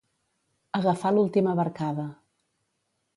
Agafar l'última barcada.